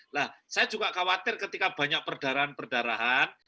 nah saya juga khawatir ketika banyak perdarahan perdarahan